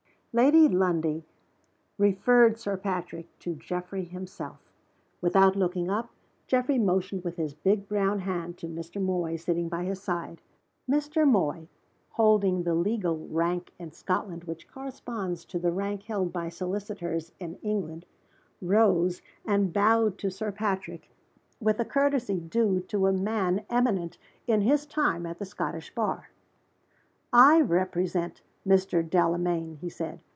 Lady Lundie referred Sir Patrick to Geoffrey himself. Without looking up, Geoffrey motioned with his big brown hand to Mr. Moy, sitting by his side. Mr. Moy (holding the legal rank in Scotland which corresponds to the rank held by solicitors in England) rose and bowed to Sir Patrick, with the courtesy due to a man eminent in his time at the Scottish Bar. "I represent Mr. Delamayn," he said.